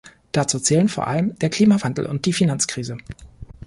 Dazu zählen vor allem der Klimawandel und die Finanzkrise.